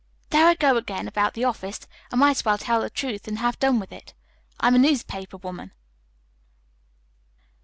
There I go again about the office. I might as well tell the truth and have done with it: I'm a newspaper woman."